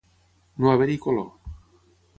No haver-hi color.